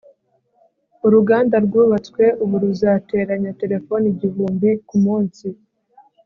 uruganda rwubatswe ubu ruzateranya telefone igihumbi kumunsi